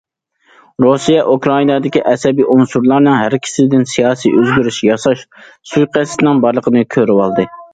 رۇسىيە ئۇكرائىنادىكى ئەسەبىي ئۇنسۇرلارنىڭ ھەرىكىتىدىن سىياسىي ئۆزگىرىش ياساش سۇيىقەستىنىڭ بارلىقىنى كۆرۈۋالدى.